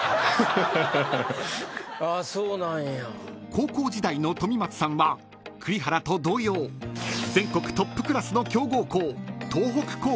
［高校時代の富松さんは栗原と同様全国トップクラスの強豪校東北高校に在籍］